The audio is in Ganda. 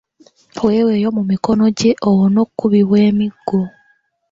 Weweeyo mu mikono gye owone okubibwa emiggo.